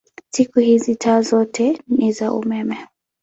Siku hizi taa zote ni za umeme.